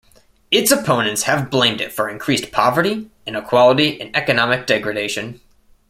Its opponents have blamed it for increased poverty, inequality and economic degradation.